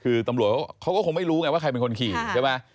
คือตำรวจเขาก็คงไม่รู้ไงว่าใครเป็นคนขี่ใช่ไหม